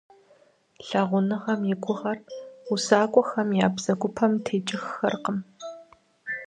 Лъагъуныгъэм и гугъур усакӀуэхэм я бзэгупэм текӀыххэркъым.